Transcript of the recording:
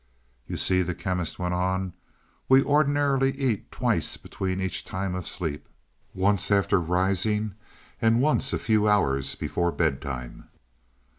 "You see," the Chemist went on, "we ordinarily eat twice between each time of sleep once after rising and once a few hours before bedtime.